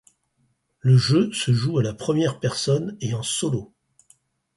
Le jeu se joue à la première personne et en solo.